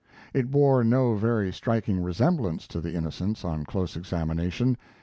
It bore no very striking resemblance to the Innocents on close examination.